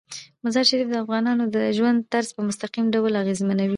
مزارشریف د افغانانو د ژوند طرز په مستقیم ډول ډیر اغېزمنوي.